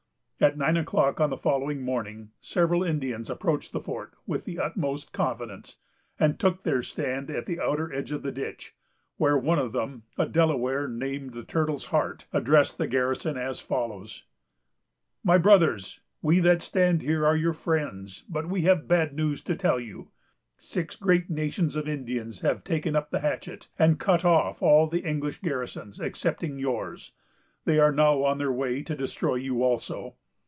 At nine o'clock on the following morning, several Indians approached the fort with the utmost confidence, and took their stand at the outer edge of the ditch, where one of them, a Delaware, named the Turtle's Heart, addressed the garrison as follows:—— "My Brothers, we that stand here are your friends; but we have bad news to tell you. Six great nations of Indians have taken up the hatchet, and cut off all the English garrisons, excepting yours. They are now on their way to destroy you also.